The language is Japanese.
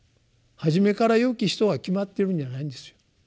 初めから「よき人」は決まってるんじゃないんですよ。